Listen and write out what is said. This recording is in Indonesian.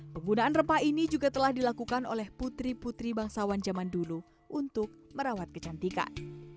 penggunaan rempah ini juga telah dilakukan oleh putri putri bangsawan zaman dulu untuk merawat kecantikan